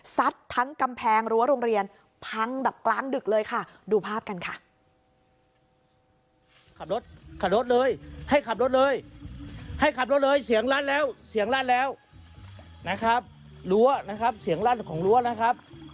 ทั้งกำแพงรั้วโรงเรียนพังแบบกลางดึกเลยค่ะดูภาพกันค่ะ